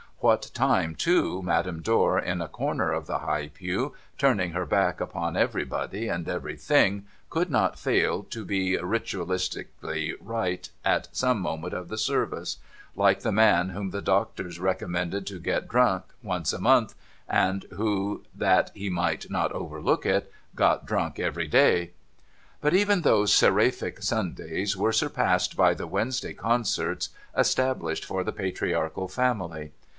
What time, too, Madame Dor in a corner of the high pew, turning her back upon everybody and everything, could not fail to be Ritualistically right at some moment of the service ; like the man whom the doctors recommended to get drunk once a month, and who, that he might not overlook it, got drunk every day. But, even those seraphic Sundays were surpassed by the Wednesday concerts established for the patriarchal family.